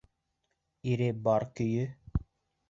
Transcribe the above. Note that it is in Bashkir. Ире бар көйө?